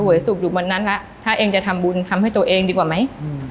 สุขอยู่บนนั้นแล้วถ้าเองจะทำบุญทำให้ตัวเองดีกว่าไหม